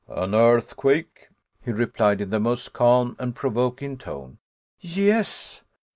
"An earthquake," he replied in the most calm and provoking tone. "Yes."